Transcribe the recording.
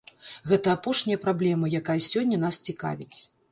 Гэта апошняя праблема, якая сёння нас цікавіць.